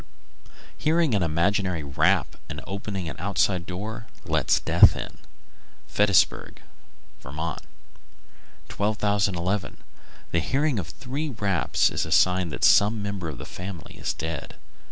Hearing an imaginary rap and opening an outside door lets death in. Ferrisburgh, Vt. 1211. The hearing of three raps is a sign that some member of the family is dead.